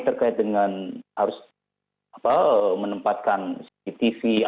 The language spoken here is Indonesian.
terkait dengan harus menempatkan si tv